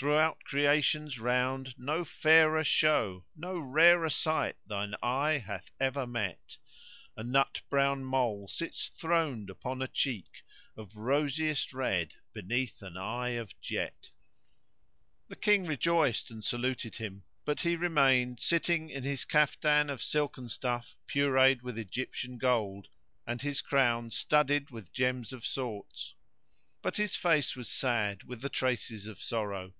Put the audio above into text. Throughout Creation's round no fairer show * No rarer sight thine eye hath ever met: A nut brown mole sits throned upon a cheek * Of rosiest red beneath an eye of jet.[FN#113] The King rejoiced and saluted him, but he remained sitting in his caftan of silken stuff purfled with Egyptian gold and his crown studded with gems of sorts; but his face was sad with the traces of sorrow.